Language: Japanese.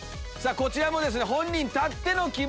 こちらもですね。